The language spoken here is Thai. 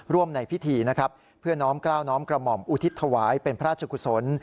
ในพิธีนะครับเพื่อน้อมกล้าวน้อมกระหม่อมอุทิศถวายเป็นพระราชกุศล